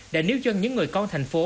đã níu cho những người con thành phố